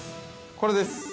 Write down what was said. ◆これです。